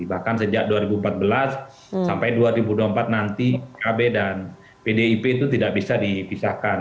bahkan sejak dua ribu empat belas sampai dua ribu dua puluh empat nanti pkb dan pdip itu tidak bisa dipisahkan